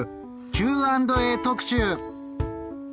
「Ｑ＆Ａ特集」！